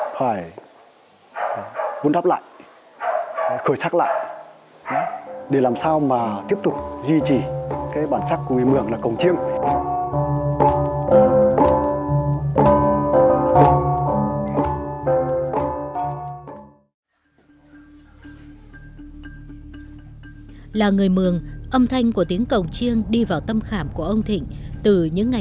phải vốn đắp lại khởi sắc lại để làm sao mà tiếp tục duy trì cái bản sắc của người mường là cổng chiêng